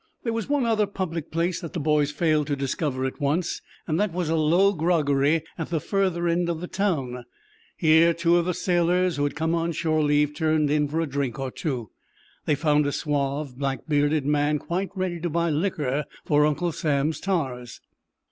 There was one other "public" place that the boys failed to discover at once. That was a low groggery at the further end of the town. Here two of the sailors who had come on shore leave turned in for a drink or two. They found a suave, black bearded man quite ready to buy liquor for Uncle Sam's tars.